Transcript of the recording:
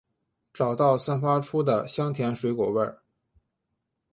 找到散发出的香甜水果味！